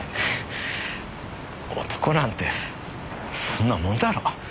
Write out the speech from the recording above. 男なんてそんなもんだろ。